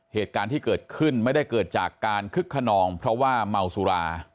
เหตุการณ์ที่เกิดขึ้นไม่ได้เกิดจากการคึกขนองเพราะว่าเมาสุรา